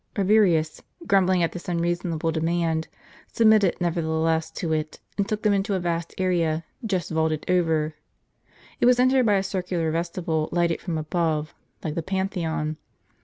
Rabirius, grumbling at this unreasonable demand, sub mitted nevertheless to it, and took them into a vast area, just vaulted over. It was entered by a circular vestibule lighted from above, like the Pantheon.